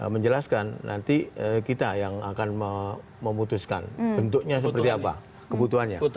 menjelaskan nanti kita yang akan memutuskan bentuknya seperti apa kebutuhannya